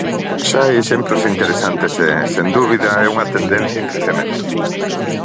Xa hai exemplos interesantes e, sen dúbida, é unha tendencia en crecemento.